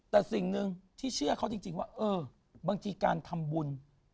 แต่สิ่งหนึ่งที่เชื่อเขาจริงว่าเออบางทีการทำบุญ